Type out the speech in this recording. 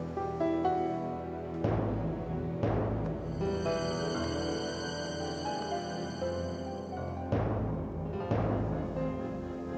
ma kamu dimana sih